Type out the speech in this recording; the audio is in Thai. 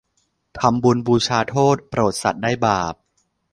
ทำคุณบูชาโทษโปรดสัตว์ได้บาป